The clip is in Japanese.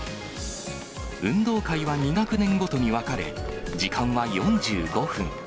運動会は２学年ごとに分かれ、時間は４５分。